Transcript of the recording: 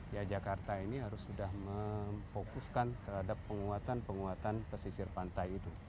ya jakarta ini harus sudah memfokuskan terhadap penguatan penguatan pesisir pantai itu